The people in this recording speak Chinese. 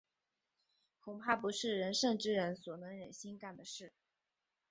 恐怕不是仁圣之人所能忍心干的事。